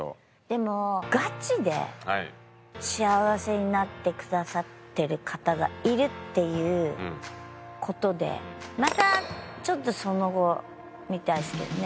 でもガチで幸せになってくださってる方がいるっていう事でまたちょっとその後を見たいですけどね。